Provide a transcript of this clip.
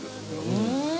うん！